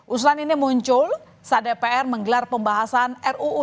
usulan ini muncul saat dpr menggelar pembahasan ruu